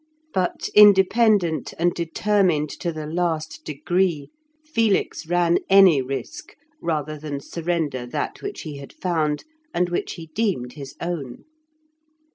But independent and determined to the last degree, Felix ran any risk rather than surrender that which he had found, and which he deemed his own.